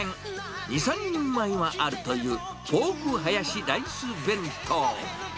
２、３人前はあるというポークハヤシライス弁当。